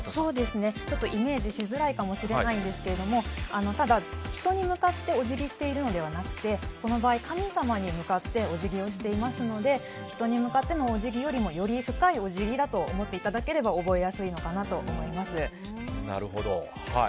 ちょっとイメージしづらいかもしれませんがただ人に向かってお辞儀しているのではなくこの場合、神様に向かってお辞儀をしていますので人に向かってのお辞儀よりもより深いお辞儀だと思っていただければ覚えやすいのかなと思います。